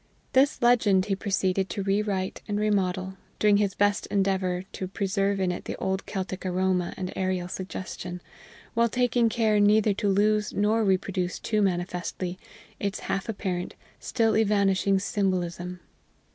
This legend he proceeded to rewrite and remodel, doing his best endeavor to preserve in it the old Celtic aroma and aerial suggestion, while taking care neither to lose nor reproduce too manifestly its half apparent, still evanishing symbolism.